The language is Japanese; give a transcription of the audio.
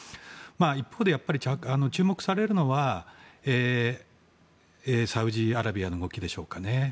一方で注目されるのはサウジアラビアの動きでしょうかね。